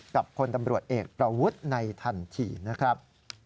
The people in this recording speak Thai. พลตำรวจเอกประวุฒิในทันทีนะครับ